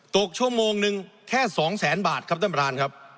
ตกชั่วโมงนึงแค่๒แสนบาทครับท่านประธาน